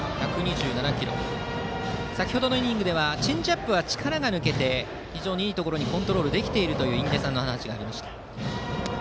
先程のイニングではチェンジアップは力が抜けて非常にいいところにコントロールできているという印出さんの話がありました。